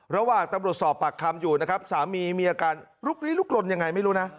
ระหว่างตำรวจสอบปากคำอยู่นะครับสามีมีอาการลุกลี้ลุกลนยังไงไม่รู้นะ